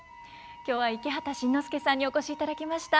今日は池畑慎之介さんにお越しいただきました。